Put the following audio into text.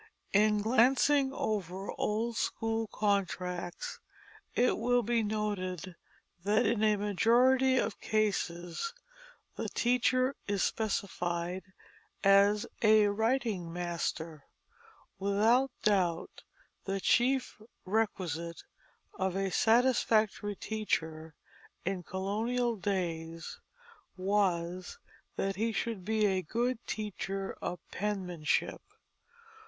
_ In glancing over old school contracts it will be noted that in a majority of cases the teacher is specified as a writing master; without doubt the chief requisite of a satisfactory teacher in colonial days was that he should be a good teacher of penmanship.